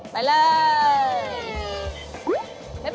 ไปเลย